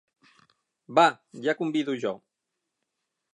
Va, ja convido jo!